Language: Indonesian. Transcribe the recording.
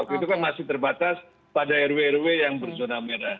waktu itu kan masih terbatas pada rw rw yang berzona merah